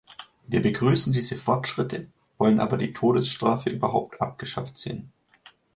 Wir begrüßen diese Fortschritte, wollen aber die Todesstrafe überhaupt abgeschafft sehen.